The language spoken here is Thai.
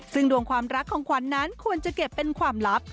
ซึ่งดวงความรักของขวัญนั้นควรจะเก็บเป็นความลับ